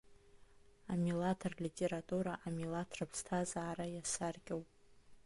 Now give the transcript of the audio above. Амилаҭ рлитература амилаҭ рыԥсҭазаара иасаркьоуп.